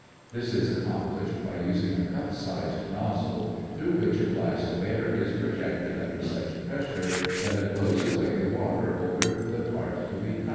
This is accomplished by using a cup shaped nozzle through which a blast of air is projected under such pressure that it blows away the water over the part to be cut.